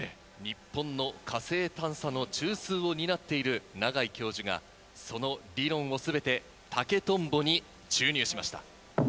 日本の火星探査の中枢を担っている永井教授がその理論を全て竹とんぼに注入しました。